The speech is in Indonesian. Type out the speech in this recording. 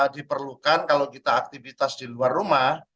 diperlukan kalau kita aktivitas di luar rumah